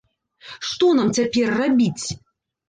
Што нам цяпер рабіць?